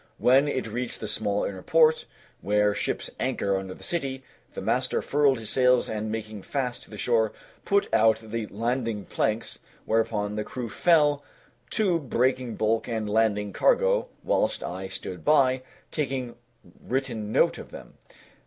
When it reached the small inner port where ships anchor under the city, the master furled his sails and making fast to the shore, put out the landing planks, whereupon the crew fell to breaking bulk and landing cargo whilst I stood by, taking written note of them.